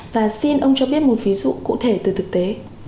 và xin ông cho biết một ví dụ cụ thể từ thực tế